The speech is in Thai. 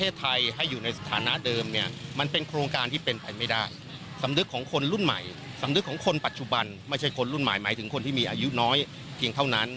สำนึกของคนรุ่นใหม่สำนึกของคนปัจจุบันไม่ใช่คนรุ่นใหม่หมายถึงคนที่มีอายุน้อยเชียงเท่านั้น